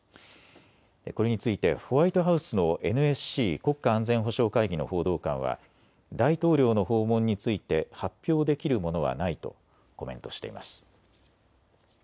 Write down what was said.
これについてホワイトハウスのＮＳＣ・国家安全保障会議の報道官は大統領の訪問について発表できるものはないとコメントしています。